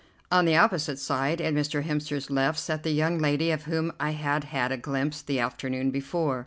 On the opposite side, at Mr. Hemster's left, sat the young lady of whom I had had a glimpse the afternoon before.